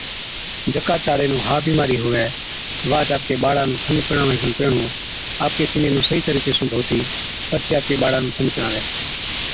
جڪا چاڙي نُون ها بِيمارِي هُوَي واهچ آپڪي ٻاڙا نُون ٿَڃ پِڙاوَڻي کن پيهڻُون آپڪي سِيني نُون صحِيح طريقي سُون ڌوتِي پڇي آپڪي ٻاڙا نُون ٿَڃ پِڙاوَي